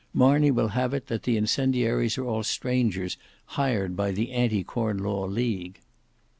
Marney will have it, that the incendiaries are all strangers hired by the anti Corn law League."